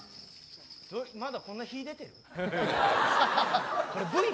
まだこんなに日が出てるのか。